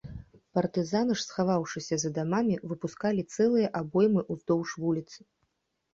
Партызаны ж, схаваўшыся за дамамі, выпускалі цэлыя абоймы ўздоўж вуліц.